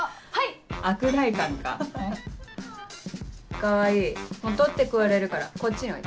川合取って食われるからこっちにおいで。